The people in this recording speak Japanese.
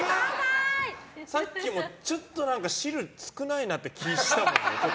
さっきも、ちょっと汁少ないなって気がしたもん。